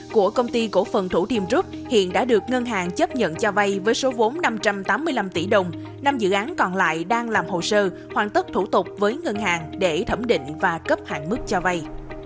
của công ty cổ phần thủ thiêm rút hiện đã được ngân hàng chấp nhận cho vay với số vốn năm trăm tám mươi năm tỷ đồng năm dự án còn lại đang làm hồ sơ hoàn tất thủ tục với ngân hàng để thẩm định và cấp hạn mức cho vay